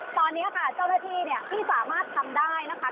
ตอนนี้ค่ะเจ้าหน้าที่เนี่ยที่สามารถทำได้นะคะ